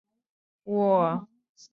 多花繁缕是石竹科繁缕属的植物。